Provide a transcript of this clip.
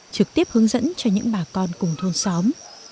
trực tiếp hướng dẫn cho những bà con cùng thôn xóm